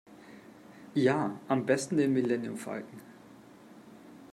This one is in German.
Ja, am besten den Millenniumfalken.